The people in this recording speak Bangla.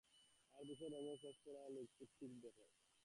আর ধূসর রঙয়ের স্ল্যাকস পড়া লোকটিকে দেখো।